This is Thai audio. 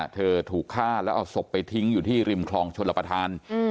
ถูกฆ่าแล้วเอาศพไปทิ้งอยู่ที่ริมคลองชลประธาน